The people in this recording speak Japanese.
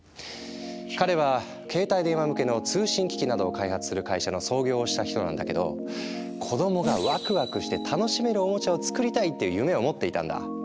彼は携帯電話向けの通信機器などを開発する会社の創業をした人なんだけど子供がワクワクして楽しめるおもちゃを作りたいっていう夢を持っていたんだ。